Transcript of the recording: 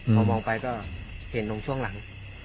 พอมองไปก็เห็นตรงช่วงหลัง